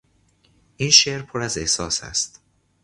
این شعر پر از احساس است.